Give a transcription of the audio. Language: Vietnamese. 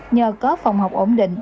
nhờ có phòng học ổn định